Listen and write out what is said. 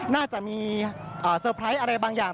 น่าจะมีเซอร์ไพรส์อะไรบางอย่าง